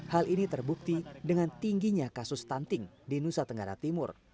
hal ini terbukti dengan tingginya kasus stunting di nusa tenggara timur